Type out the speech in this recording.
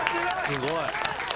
すごい。